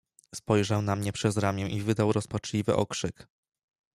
"Spojrzał na mnie przez ramię i wydał rozpaczliwy okrzyk."